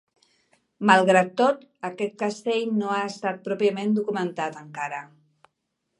Malgrat tot, aquest castell no ha estat pròpiament documentat, encara.